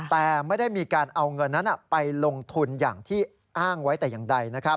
แต่ไม่ได้มีการเอาเงินนั้นไปลงทุนอย่างที่อ้างไว้แต่อย่างใด